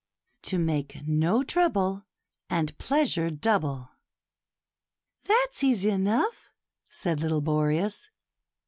To make no trouble, And pleasure double." "That's easy enough," said little Boreas.